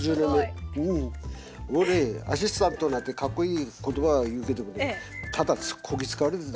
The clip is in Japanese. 俺アシスタントなんてかっこいい言葉言うけどもねただこき使われてる。